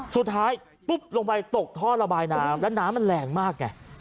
สุดท้ายปุ๊บลงไปตกท่อระบายน้ำแล้วน้ำมันแรงมากไง